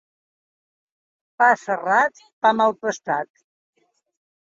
Pa serrat, pa mal pastat.